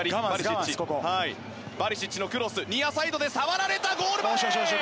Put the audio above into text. バリシッチのクロスニアサイドで触られた！